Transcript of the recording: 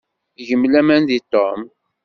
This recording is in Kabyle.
Gem laman deg Tom.